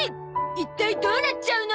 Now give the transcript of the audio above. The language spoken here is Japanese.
一体どうなっちゃうの？